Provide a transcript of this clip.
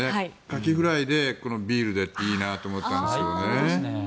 カキフライでビールでっていいなと思ったんですけどね。